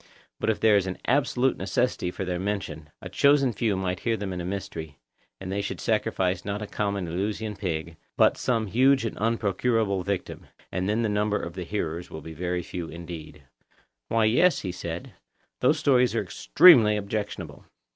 But if there is an absolute necessity for their mention, a chosen few might hear them in a mystery, and they should sacrifice not a common (Eleusinian) pig, but some huge and unprocurable victim; and then the number of the hearers will be very few indeed. Why, yes, said he, those stories are extremely objectionable.